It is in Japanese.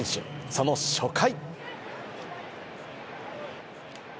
その初回。